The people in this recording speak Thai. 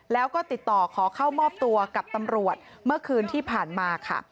แล้วก็ติดต่อขอเข้ามอบตัวกับตำรวจเมื่อคืนที่ผ่านมาค่ะ